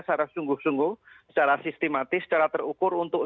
secara sungguh sungguh secara sistematis secara terukur untuk